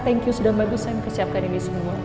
thank you sudah bagus saya mempersiapkan ini semua